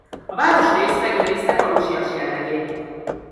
A városrész megőrizte falusias jellegét.